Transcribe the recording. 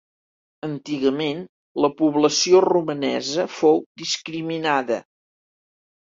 Antigament, la població romanesa fou discriminada.